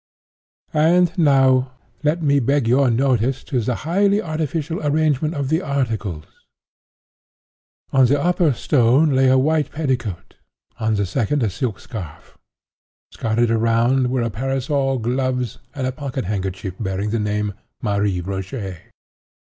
And, now, let me beg your notice to the highly artificial arrangement of the articles. On the upper stone lay a white petticoat; on the second, a silk scarf; scattered around, were a parasol, gloves, and a pocket handkerchief bearing the name, 'Marie Rogêt.